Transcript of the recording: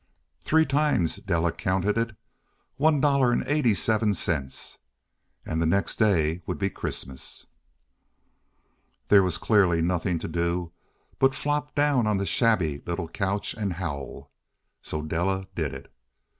Three times Della counted it. One dollar and eighty seven cents. And the next day would be Christmas. There was clearly nothing to do but flop down on the shabby little couch and howl. So Della did it.